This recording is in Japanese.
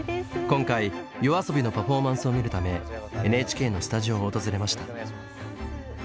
今回ＹＯＡＳＯＢＩのパフォーマンスを見るためＮＨＫのスタジオを訪れました。